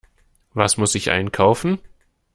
Was muss ich einkaufen?